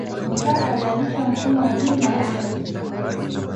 mkapa alianzisha mfumo wa elimu ya watu wazima